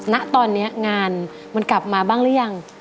ณตอนนี้งานมันกลับมาบ้างหรือยัง